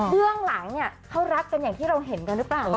เรื่องหลังเนี่ยเขารักกันอย่างที่เราเห็นกันหรือเปล่า